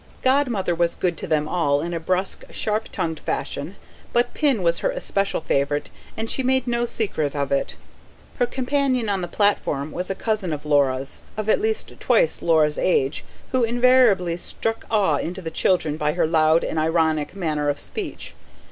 Godmother was good to them all in a brusque, sharp tongued fashion; but Pin was her especial favourite and she made no secret of it. Her companion on the platform was a cousin of Laura's, of at least twice Laura's age, who invariably struck awe into the children by her loud and ironic manner of speech.